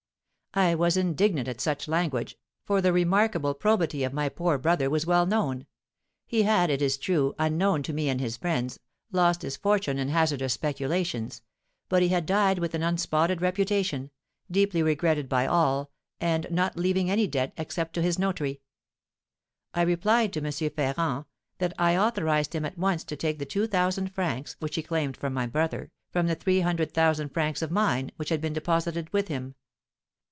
I was indignant at such language, for the remarkable probity of my poor brother was well known; he had, it is true, unknown to me and his friends, lost his fortune in hazardous speculations, but he had died with an unspotted reputation, deeply regretted by all, and not leaving any debt except to his notary. I replied to M. Ferrand, that I authorised him at once to take the two thousand francs, which he claimed from my brother, from the three hundred thousand francs of mine, which had been deposited with him.